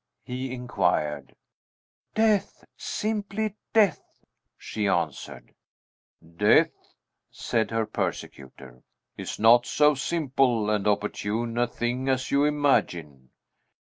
he inquired. "Death! simply death!" she answered. "Death," said her persecutor, "is not so simple and opportune a thing as you imagine.